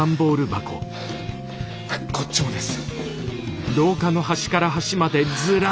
こっちもです。